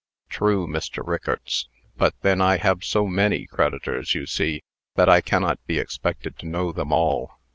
"True, Mr. Rickarts, but then I have so many creditors, you see, that I cannot be expected to know them all.